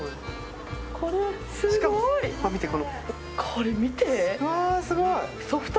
これ、見て！